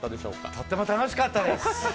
とっても楽しかったです。